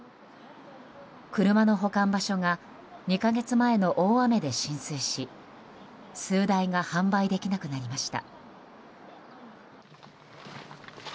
車の保管場所が２か月前の大雨で浸水し数台が販売できなくなりました。